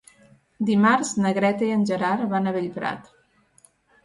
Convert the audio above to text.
Dimarts na Greta i en Gerard van a Bellprat.